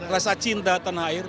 rasa cinta tanah air